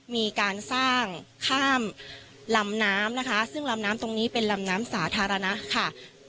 มีการสร้างข้ามลำน้ำนะคะซึ่งลำน้ำตรงนี้เป็นลำน้ำสาธารณะค่ะ